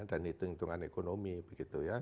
dan itu hitungan ekonomi begitu ya